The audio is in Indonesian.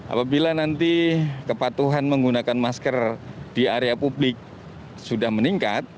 apabila nanti kepatuhan menggunakan masker di area publik sudah meningkat